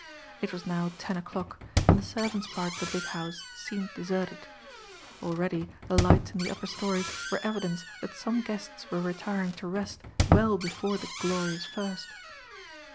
It was now ten o'clock and the servants' part of the big house seemed deserted. Already the lights in the upper stories were evidence that some guests were retiring to rest well before the "glorious first."